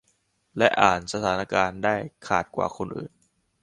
และอ่านสถานการณ์ได้ขาดกว่าคนอื่น